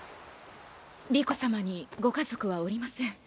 理子様にご家族はおりません。